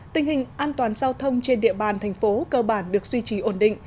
tình hình an toàn giao thông trên địa bàn thành phố cơ bản được duy trì ổn định